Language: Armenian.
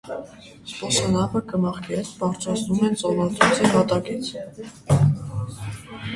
Զբոսանավը կմախքի հետ բարձրացնում են ծովածոցի հատակից։